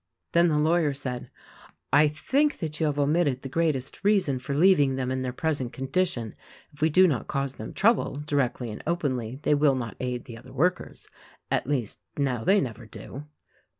Then the lawyer said, "I think that you have omitted the greatest reason for leaving them in their present condi tion. If we do not cause them trouble, directly and openly, they will not aid the other workers. At least, now they never do."